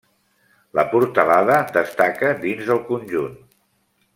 La portalada destaca, dins del conjunt.